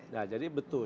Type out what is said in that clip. nah jadi betul